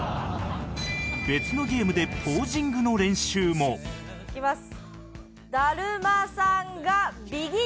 別のゲームでポージングの練習もいきます。